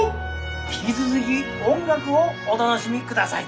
引き続き音楽をお楽しみください。